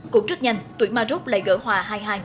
cũng rất nhanh tuyển maroc lại gỡ hòa hai hai